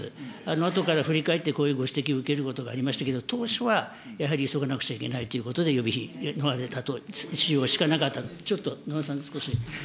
あとから振り返って、こういうご指摘を受けることがありましたけど、当初はやはり急がなくちゃいけないということで、予備費の使用しかなかったと、ちょっと、ごめんなさい、少し。